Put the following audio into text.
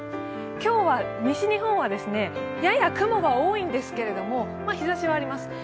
今日は西日本はやや雲が多いんですけど日ざしはあります。